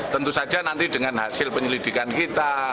tentu saja nanti dengan hasil penyelidikan kita